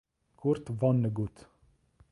Kurt Vonnegut.